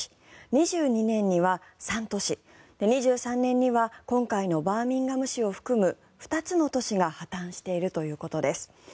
２２年には３都市２３年には今回のバーミンガム市を含む２つの都市が破たんしているということです。